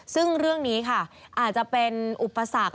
ซึ่งเรื่องนี้ค่ะอาจจะเป็นอุปสรรค